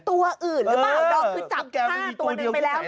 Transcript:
ตัวอื่นหรือเปล่าดอมคือจับผ้าตัวหนึ่งไปแล้ว